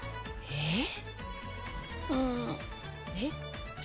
えっ？